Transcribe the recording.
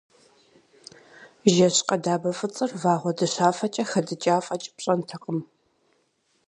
Жэщ къэдабэ фӏыцӏэр вагъуэ дыщафэкӏэ хэдыкӏа фэкӏ пщӏэнтэкъым.